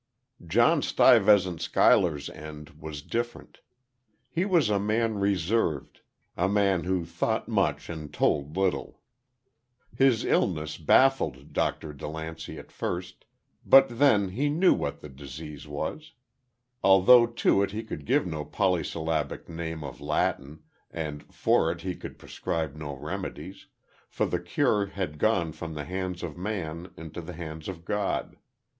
John Stuyvesant Schuyler's end was different. He was a man reserved a man who thought much and told little. His illness baffled Dr. DeLancey at first; but then he knew what the disease was; although to it he could give no polysyllabic name of Latin, and for it he could prescribe no remedies; for the cure had gone from the hands of man into the hands of God.